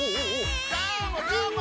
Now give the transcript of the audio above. どーもどーも！